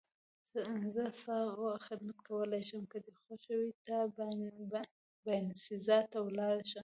زه څه خدمت کولای شم؟ که دې خوښه وي ته باینسیزا ته ولاړ شه.